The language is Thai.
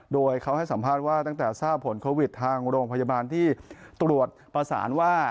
โดยเขาให้สัมภาษณ์ว่าตั้งแต่ทราบผลโควิดทางโรงพยาบาลที่ตรวจประสานว่า